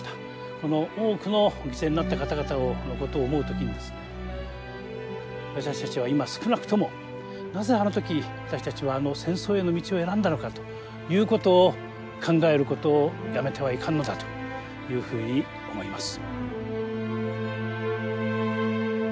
この多くの犠牲になった方々のことを思う時に私たちは今少なくともなぜあの時私たちはあの戦争への道を選んだのかということを考えることをやめてはいかんのだというふうに思います。